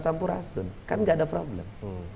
sampurasun kan nggak ada problem